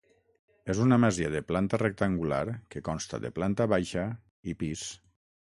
És una masia de planta rectangular que consta de planta baixa i pis.